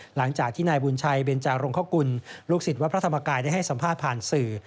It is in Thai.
หลังจากที่นายบุญชัยเบนจารงคกุลลูกศิษย์วัดพระธรรมกายได้ให้สัมภาษณ์ผ่านสื่อ